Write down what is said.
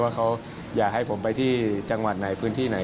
ว่าเขาอยากให้ผมไปที่จังหวัดไหนพื้นที่ไหน